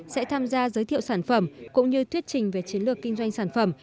sẽ tham gia giới thiệu sản phẩm cũng như thuyết trình về chiến lược kinh doanh sản phẩm